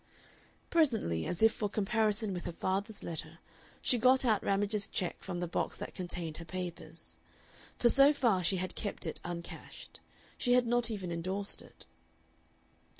Presently, as if for comparison with her father's letter, she got out Ramage's check from the box that contained her papers. For so far she had kept it uncashed. She had not even endorsed it.